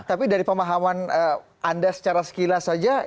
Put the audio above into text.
tapi dari pemahaman anda secara sekilas saja